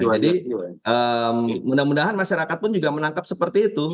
jadi mudah mudahan masyarakat pun juga menangkap seperti itu